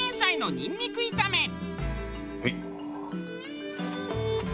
はい。